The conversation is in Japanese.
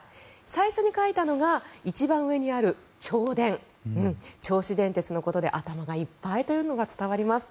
最初に書いたのが一番上にある銚電銚子電鉄のことで頭がいっぱいというのが伝わります。